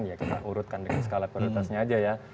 ya kita urutkan dengan skala prioritasnya aja ya